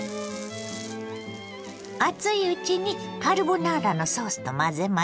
熱いうちにカルボナーラのソースと混ぜましょ。